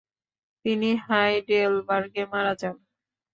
তিনি হাইডেলবার্গে মারা যান।